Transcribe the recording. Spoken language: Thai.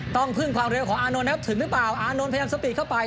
ต้องพึ่งความเร็วของอานนท์นะครับถึงหรือเปล่าอานนท์พยายามสปีดเข้าไป